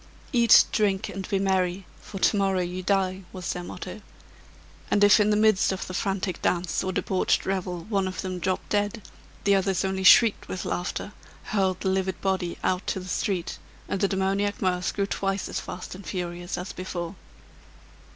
"Eat, drink, and be merry, for to morrow you die!" was their motto; and if in the midst of the frantic dance or debauched revel one of them dropped dead, the others only shrieked with laughter, hurled the livid body out to the street, and the demoniac mirth grew twice as fast and furious as before.